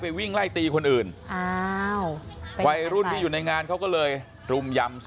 วิ่งไล่ตีคนอื่นอ้าววัยรุ่นที่อยู่ในงานเขาก็เลยรุมยำ